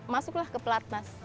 masuklah ke platnas